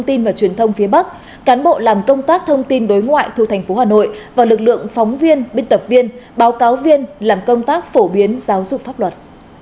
các đại diện lãnh đạo và truyền thông phía bắc cán bộ làm công tác thông tin đối ngoại thu thành phố hà nội và lực lượng phóng viên biên tập viên báo cáo viên làm công tác phổ biến giáo dục pháp luật